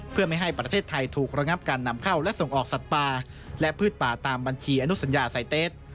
เพื่อไม่ให้ประเทศไทยถูกระงับการนำเข้าและส่งออกสัตว์ป่าและพืชป่าตามบัญชีอนุสัญญาไซเตส